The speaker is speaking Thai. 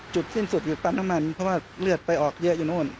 จุดสิ้นสุดอยู่ปั๊มน้ำมันเพราะว่าเลือดไปออกเยอะอยู่นู่น